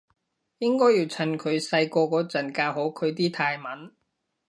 應該要趁佢細個嗰陣教好佢啲泰文